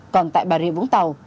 còn tại bà rệ vũng tàu